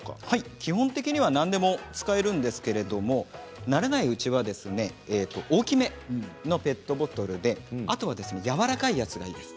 基本的に何でも使えるんですけど慣れないうちは大きめのペットボトルであとはやわらかいやつがいいです。